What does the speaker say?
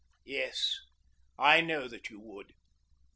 "Yes, I know that you would.